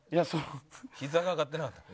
ひざが上がってなかった。